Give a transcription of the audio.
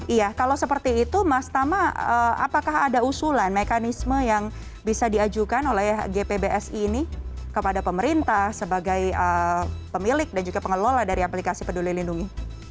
iya kalau seperti itu mas tama apakah ada usulan mekanisme yang bisa diajukan oleh gpbsi ini kepada pemerintah sebagai pemilik dan juga pengelola dari aplikasi peduli lindungi